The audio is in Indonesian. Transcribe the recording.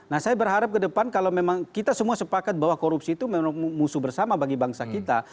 nah saya berharap ke depan kalau memang kita semua sepakat bahwa korupsi itu memang musuh bersama bagi bangsa kita